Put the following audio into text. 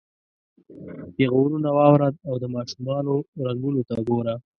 پیغورونه واوره او د ماشومانو رنګونو ته ګوره.